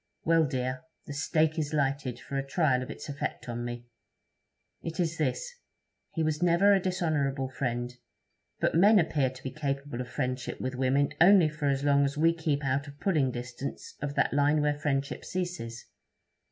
Well, dear, the stake is lighted for a trial of its effect on me. It is this: he was never a dishonourable friend; but men appear to be capable of friendship with women only for as long as we keep out of pulling distance of that line where friendship ceases.